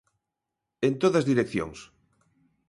En todas direccións.